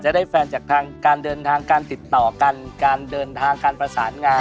ได้แฟนจากทางการเดินทางการติดต่อกันการเดินทางการประสานงาน